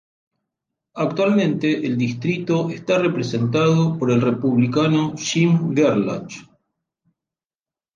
Actualmente el distrito está representado por el Republicano Jim Gerlach.